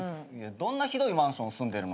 どんなひどいマンション住んでるのよ。